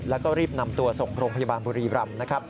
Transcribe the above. แล้วก็รีบนำตัวส่งโรงพยาบาลบุรีรำนะครับ